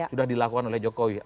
sudah dilakukan oleh jokowi